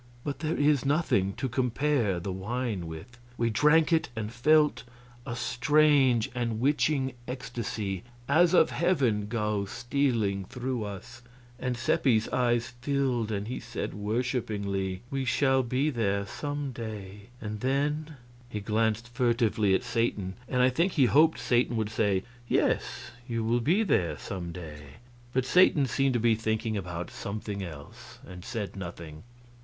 But there is nothing to compare the wine with. We drank it, and felt a strange and witching ecstasy as of heaven go stealing through us, and Seppi's eyes filled and he said worshipingly: "We shall be there some day, and then " He glanced furtively at Satan, and I think he hoped Satan would say, "Yes, you will be there some day," but Satan seemed to be thinking about something else, and said nothing.